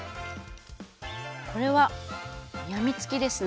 これはやみつきですな。